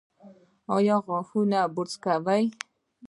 ایا غاښونه برس کوي؟